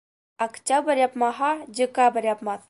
Октябрь япмаһа, декабрь япмаҫ.